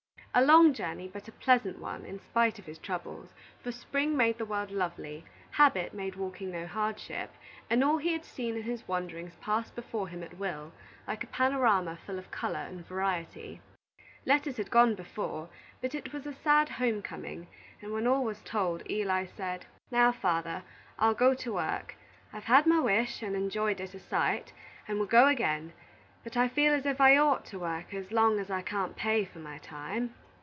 A long journey, but a pleasant one, in spite of his troubles; for spring made the world lovely, habit made walking no hardship, and all he had seen in his wanderings passed before him at will, like a panorama full of color and variety. Letters had gone before, but it was a sad homecoming, and when all was told, Eli said: "Now, father, I'll go to work. I've had my wish and enjoyed it a sight; and would go again, but I feel as if I ought to work, as long as I can't pay for my time."